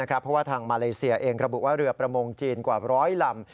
เพราะว่าทางมาเลเซียเองระบุว่าเรือประมงจีนกว่าร้อยลำ